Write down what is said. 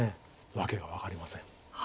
訳が分かりません。